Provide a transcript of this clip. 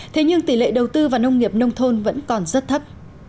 thế nhưng tỷ lệ đầu tư vào nông nghiệp nông thôn vẫn còn rất thấp